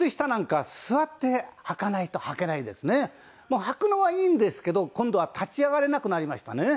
もうはくのはいいんですけど今度は立ち上がれなくなりましたね。